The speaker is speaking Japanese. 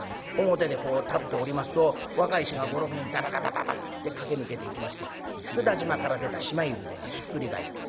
表でこう立っておりますと若い衆が５６人ダダダダダダって駆け抜けていきまして「佃島から出たしまい舟がひっくり返った。